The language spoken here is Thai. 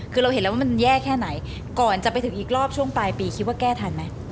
คือเราเห็นแล้วว่ามันแย่แค่ไหนก่อนจะไปถึงอีกรอบช่วงปลายปีคิดว่าแก้ทันไหม